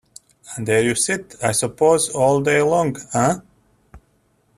And there you sit, I suppose, all the day long, eh?